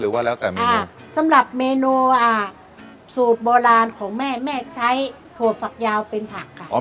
ว่าแล้วแต่แม่สำหรับเมนูอ่าสูตรโบราณของแม่แม่ใช้ถั่วฝักยาวเป็นผักค่ะ